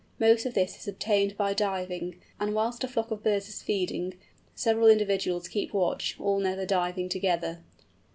Most of this is obtained by diving; and whilst a flock of birds is feeding, several individuals keep watch, all never diving together.